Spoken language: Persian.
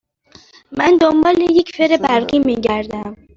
من دنبال یک فر برقی می گردم.